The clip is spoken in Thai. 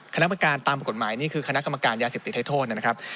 คณะประการตามกฎหมายนี่คือคณะกรรมการยาเสพติดให้โทษนะครับ